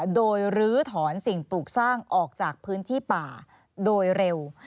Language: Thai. โดยลื้อถอนสิ่งปลูกสร้างออกจากพื้นที่ป่าโดยเร็ว